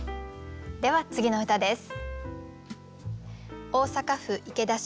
では次の歌です。